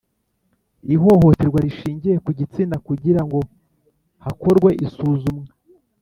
ihohoterwa rishingiye ku gitsina kugira ngo hakorwe isuzumwa